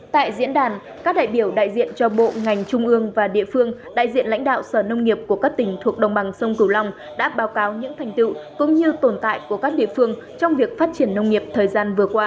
tại diễn đàn các đại biểu đại diện cho bộ ngành trung ương và địa phương đại diện lãnh đạo sở nông nghiệp của các tỉnh thuộc đồng bằng sông cửu long đã báo cáo những thành tựu cũng như tồn tại của các địa phương trong việc phát triển nông nghiệp thời gian vừa qua